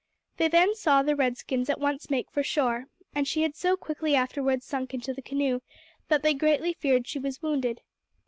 They then saw the red skins at once make for shore, and she had so quickly afterwards sunk into the canoe that they greatly feared she was wounded.